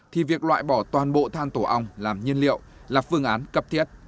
thì việc loại bỏ toàn bộ than tổ ong làm nhiên liệu là phương án cấp thiết